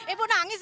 ibu nangis ya